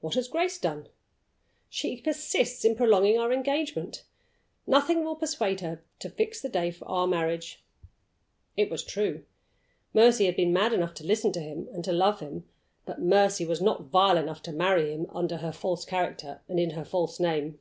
"What has Grace done?" "She persists in prolonging our engagement. Nothing will persuade her to fix the day for our marriage." It was true! Mercy had been mad enough to listen to him, and to love him. But Mercy was not vile enough to marry him under her false character, and in her false name.